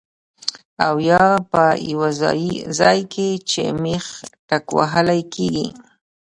او يا پۀ يو ځائے کې چې مېخ ټکوهلی کيږي